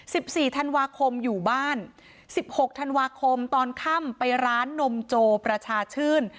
สิบสี่ธันวาคมอยู่บ้านสิบหกธันวาคมตอนค่ำไปร้านนมโจประชาชื่น